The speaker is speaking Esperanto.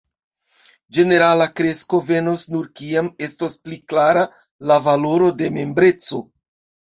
”Ĝenerala kresko venos nur kiam estos pli klara la valoro de membreco”.